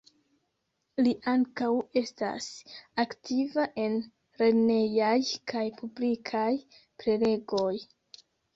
Li ankaŭ estas aktiva en lernejaj kaj publikaj prelegoj.